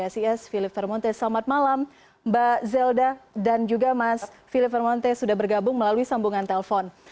selamat malam mbak zelda dan juga mas philip vermontes sudah bergabung melalui sambungan telpon